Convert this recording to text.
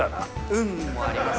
運もあります